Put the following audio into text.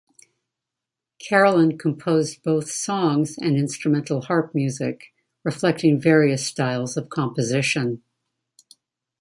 Carolan composed both songs and instrumental harp music, reflecting various styles of composition.